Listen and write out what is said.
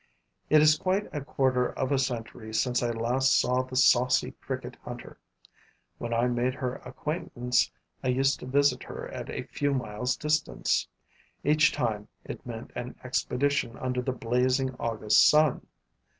It is quite a quarter of a century since I last saw the saucy cricket hunter. When I made her acquaintance, I used to visit her at a few miles' distance: each time, it meant an expedition under the blazing August sun.